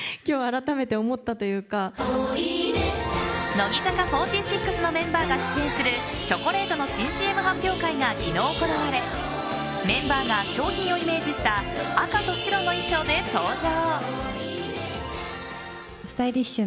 乃木坂４６のメンバーが出演するチョコレートの新ＣＭ発表会が昨日行われメンバーが商品をイメージした赤と白の衣装で登場。